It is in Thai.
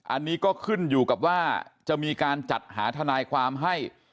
อันนี้ก็ขึ้นอยู่กับว่าจะมีการจัดหาทนายความให้